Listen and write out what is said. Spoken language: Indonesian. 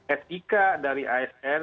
etika dari asn